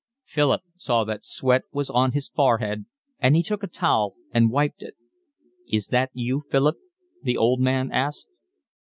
Philip saw that sweat was on his forehead, and he took a towel and wiped it. "Is that you, Philip?" the old man asked.